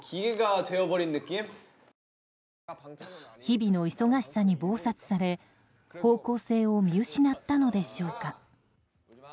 日々の忙しさに忙殺され方向性を見失ったのでしょうか。